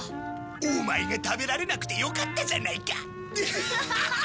オマエが食べられなくてよかったじゃないか。